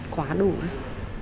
quá đủ rồi